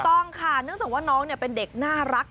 ต้องค่ะเนื่องจากว่าน้องเป็นเด็กน่ารัก